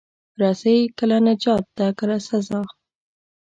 رسۍ کله نجات ده، کله سزا.